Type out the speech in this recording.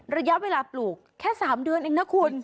ระยะเวลาปลูกแค่๓เดือนเองนะคุณ